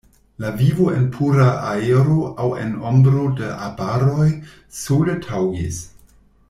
La vivo en pura aero aŭ en ombro de arbaroj sole taŭgis.